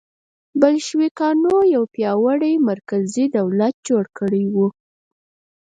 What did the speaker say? بلشویکانو یو پیاوړی مرکزي دولت جوړ کړی و.